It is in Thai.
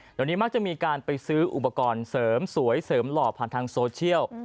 เดี๋ยวนี้มักจะมีการไปซื้ออุปกรณ์เสริมสวยเสริมหล่อผ่านทางโซเชียล